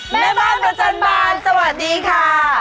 แม่บ้านประจันบานสวัสดีค่ะ